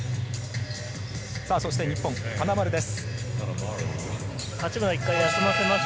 そして日本、金丸です。